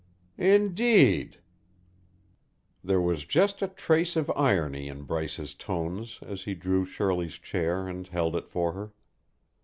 "Indeed!" There was just a trace of irony in Bryce's tones as he drew Shirley's chair and held it for her.